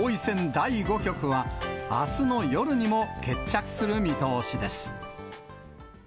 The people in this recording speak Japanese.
第５局は、あすの夜にも決着する見通しです。